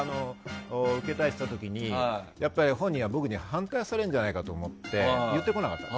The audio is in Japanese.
受けたりした時に本人は僕に反対されるんじゃないかと思って言ってこなかった。